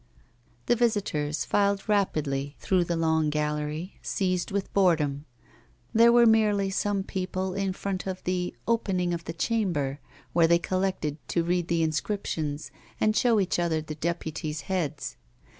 The visitors filed rapidly through the long gallery, seized with boredom. There were merely some people in front of the 'Opening of the Chamber,' where they collected to read the inscriptions, and show each other the deputies' heads.